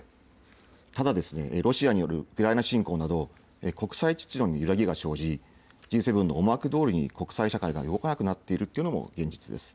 ただ、ロシアによるウクライナ侵攻など国際秩序に揺らぎが生じＧ７の思惑どおりに国際社会が動かなくなっているというのも現実です。